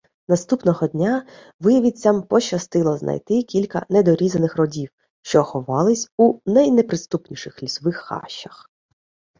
Наступного дня вивідцям пощастило знайти кілька недорізаних родів, що ховались у найнеприступніших лісових хащах.